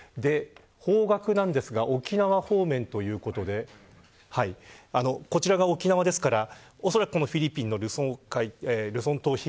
方角なんですが沖縄方面ということでこちらが沖縄ですからおそらくこのフィリピンのルソン島、東。